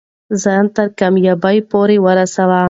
ځان تر کامیابۍ پورې ورسوه.